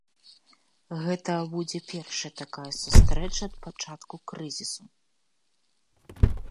Гэта будзе першая такая сустрэча ад пачатку крызісу.